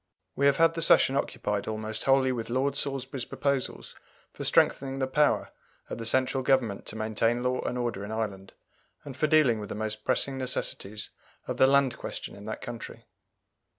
We have had the Session occupied almost wholly with Lord Salisbury's proposals for strengthening the power of the central Government to maintain law and order in Ireland, and for dealing with the most pressing necessities of the Land question in that country.